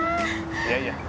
いやいや。